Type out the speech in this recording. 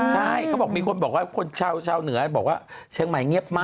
ใช่เขาบอกมีคนบอกว่าคนชาวเหนือบอกว่าเชียงใหม่เงียบมาก